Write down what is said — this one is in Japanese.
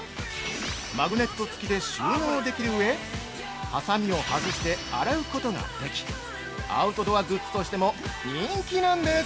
マグネットつきで収納できる上はさみを外して洗うことができ、アウトドアグッズとしても人気なんです。